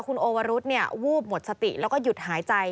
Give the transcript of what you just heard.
คุณโอวรุธวูบหมดสติแล้วก็หยุดหายใจ